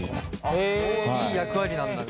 いい役割なんだね。